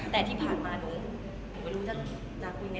แต่ที่ผ่านมาผมไม่รู้ว่าน่ากูยังไง